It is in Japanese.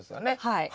はい。